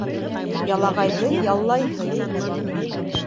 Ялағайҙы яллайһы юҡ.